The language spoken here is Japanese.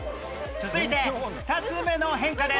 続いて２つ目の変化です